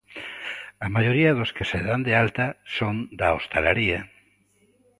A maioría dos que se dan de alta son da hostalaría.